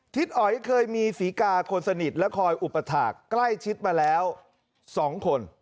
ทิศอ๋อยเคยมีฝีกาคนสนิทและคอยอุปัติฐาตรใกล้ชิดมาแล้วสองคน